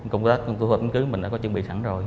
công tác của công tác chứng cứ mình đã có chuẩn bị sẵn rồi